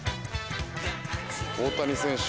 大谷選手